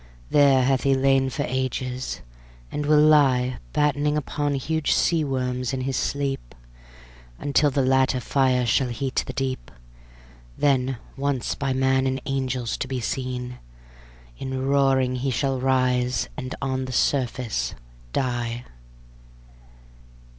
There hath he lain for ages, and will lie Battening upon huge sea worms in his sleep, Until the latter fire shall heat the deep; Then once by man and angels to be seen, In roaring he shall rise and on the surface die.